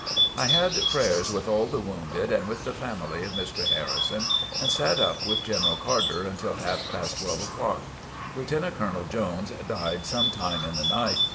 I had prayers with all the wounded and with the family of Mr. Harrison, and sat up with General Carter until half past twelve o'clock. Lieutenant Colonel Jones died some time in the night.